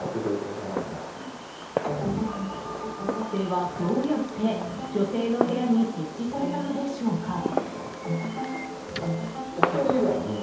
では、どうやって女性の部屋に設置されたのでしょうか？